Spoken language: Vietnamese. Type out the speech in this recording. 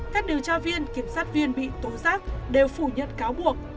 các điều tra viên kiểm soát viên bị tố giáp đều phủ nhận cáo buộc